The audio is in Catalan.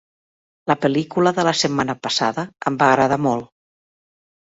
La pel·lícula de la setmana passada em va agradat molt.